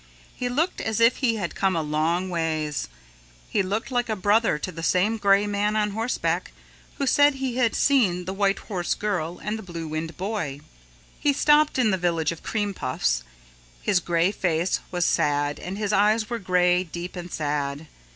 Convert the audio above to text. He looked as if he had come a long ways. He looked like a brother to the same Gray Man on Horseback who said he had seen the White Horse Girl and the Blue Wind Boy. He stopped in the Village of Cream Puffs. His gray face was sad and his eyes were gray deep and sad.